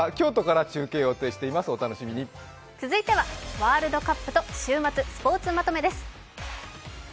続いてはワールドカップと週末スポーツまとめです。